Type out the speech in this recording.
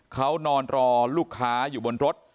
เขานอนรอลูกค้าอยู่บนรถ